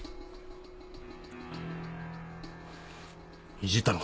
いじったのか？